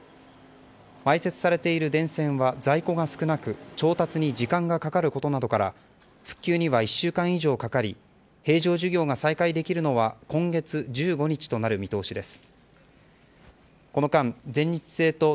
埋設されている電線は在庫が少なく調達に時間がかかることなどから復旧には１週間以上かかり平常授業が再開できるのは今月１５日となる見通しです。